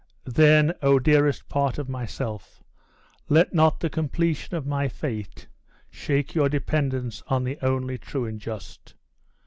Then, O, dearest part of myself, let not the completion of my fate shake your dependence on the only True and Just.